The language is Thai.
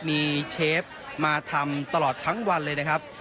มีเชฟมาทำตลอดทั้งวันเลยนะครับ